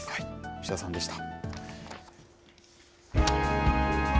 牛田さんでした。